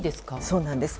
そうなんです。